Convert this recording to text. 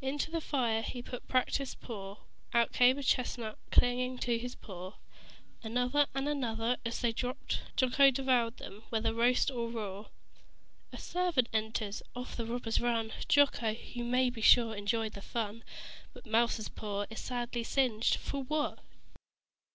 Into the fire he put a practiced paw: Out came a chestnut clinging to his claw Another and another. As they dropped Jocko devoured them, whether roast or raw. A servant enters. Off the robbers run. Jocko, you may be sure, enjoyed the fun. But Mouser's paw is sadly singed for what?